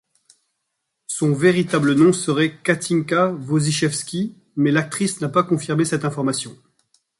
Son véritable nom serait Kathinka Wozichewski, mais l'actrice n'a pas confirmé cette information.